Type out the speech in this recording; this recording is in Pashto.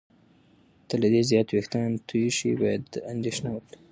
که له دې زیات وېښتان تویې شي، باید اندېښنه وکړې.